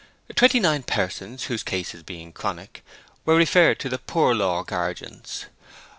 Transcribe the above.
Twenty nine persons, whose cases being chronic, were referred to the Poor Law Guardians.